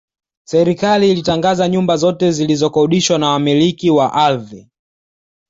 Serikali ilitangaza nyumba zote zilizokodishwa na Wamiliki wa ardhi